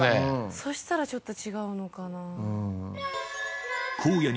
そしたらちょっと違うのかな